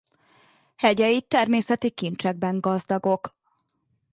Hegyei természeti kincsekben gazdagok.